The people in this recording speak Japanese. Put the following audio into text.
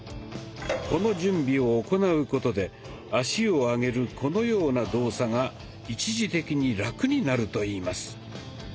この準備を行うことで足を上げるこのような動作が一時的にラクになるといいます。